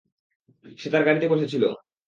সে তার গাড়িতে বসে ছিল।